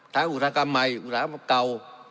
อุตสาหกรรมใหม่อุตสาหกรรมเก่า